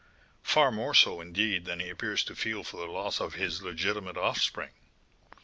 "Far more so, indeed, than he appears to feel for the loss of his legitimate offspring."